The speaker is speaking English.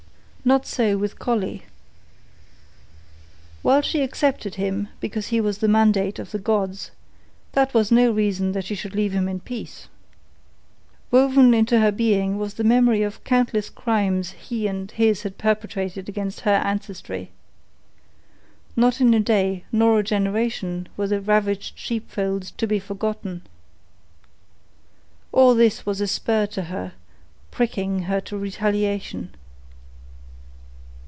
Not so with Collie. While she accepted him because it was the mandate of the gods, that was no reason that she should leave him in peace. Woven into her being was the memory of countless crimes he and his had perpetrated against her ancestry. Not in a day nor a generation were the ravaged sheepfolds to be forgotten. All this was a spur to her, pricking her to retaliation.